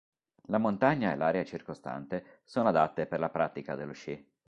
La montagna e l'area circostante sono adatte per la pratica dello sci.